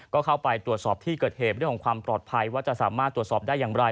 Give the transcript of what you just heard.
ก็เข้าไปตรวจสอบที่เกิดเหตุเรื่องของความปลอดภัยว่าจะสามารถตรวจสอบได้อย่างไร